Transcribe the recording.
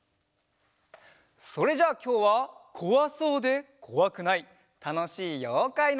それじゃあきょうはこわそうでこわくないたのしいようかいのうた